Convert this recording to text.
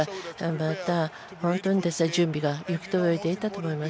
また、準備が行き届いていたと思います。